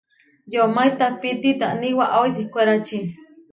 Yomá itahtápi itáni waʼáo ihkwérači.